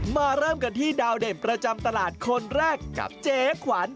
เริ่มกันที่ดาวเด่นประจำตลาดคนแรกกับเจ๊ขวัญ